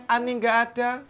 ani gak ada